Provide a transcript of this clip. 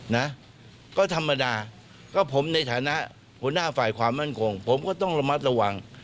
นะก็ธรรมดาก็ผมในฐานะหัวหน้าฝ่ายความมั่นคงผมก็ต้องระมัดระวัง